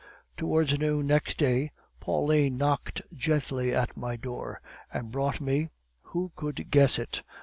"Towards noon, next day, Pauline knocked gently at my door, and brought me who could guess it?